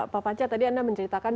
pak panca tadi anda menceritakan